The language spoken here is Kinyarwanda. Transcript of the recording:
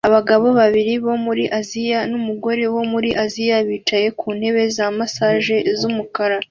Abagabo babiri bo muri Aziya numugore wo muri Aziya bicaye ku ntebe za massage z'umukara